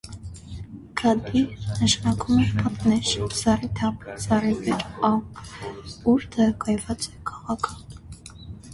Գադիր նշանակում է «պատնեշ» (զառիթափ՝ զառիվեր ափ, ուր տեղակայված է քաղաքը)։